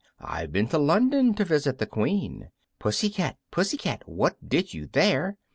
"I've been to London, to visit the Queen." "Pussy cat, Pussy cat, what did you there?"